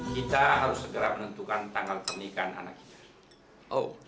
kita harus segera menentukan tanggal pernikahan anak kita